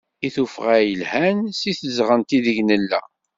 I tuffɣa yelhan seg tezɣent ideg nella.